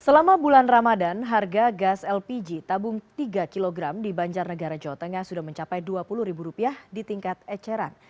selama bulan ramadan harga gas lpg tabung tiga kg di banjar negara jawa tengah sudah mencapai dua puluh ribu rupiah di tingkat eceran